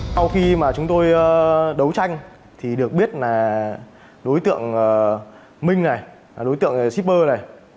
sau khi mà chúng tôi đấu tranh thì được biết là đối tượng minh này đối tượng shipper này